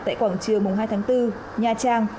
tại quảng trường hai tháng bốn nha trang